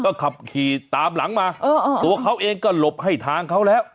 ก็ขับขี่ตามหลังมาตัวเขาเองก็หลบให้ทางเขาแล้ว